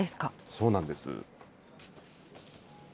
そうなんです。